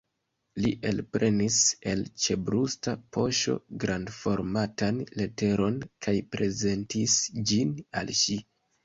Li elprenis el ĉebrusta poŝo grandformatan leteron kaj prezentis ĝin al ŝi.